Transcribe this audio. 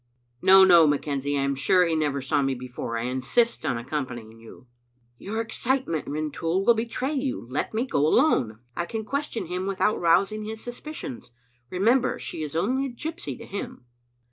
" No, no, McKenzie, I am sure he never saw me be fore. I insist on accompanying you." "Your excitement, Rintoul, will betray you. Let me go alone. I can question him without rousing his suspicions. Remember, she is only a gypsy to him."